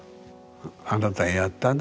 あなたやったな？